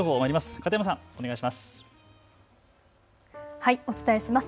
片山さん、お願いします。